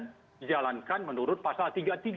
yang dijalankan menurut pasal tiga puluh tiga